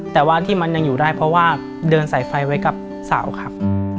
แต่ว่าที่มันยังอยู่ได้เพราะว่าเดินสายไฟไว้กับสาวครับ